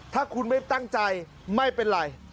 ถ้าคุณไม่ตั้งใจไม่เป็นไร